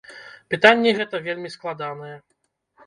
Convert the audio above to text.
Пытанне гэта вельмі складанае.